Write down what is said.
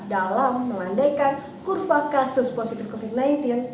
dalam melandaikan kurva kasus positif covid sembilan belas